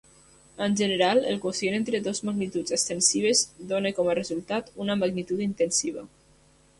En general, el quocient entre dues magnituds extensives dóna com a resultat una magnitud intensiva.